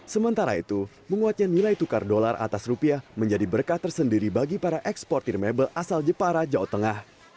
sementara itu menguatnya nilai tukar dolar atas rupiah menjadi berkah tersendiri bagi para eksportir mebel asal jepara jawa tengah